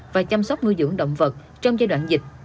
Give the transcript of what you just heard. và chăm sóc nuôi dưỡng động vật trong giai đoạn dịch